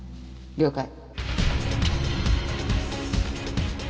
了解。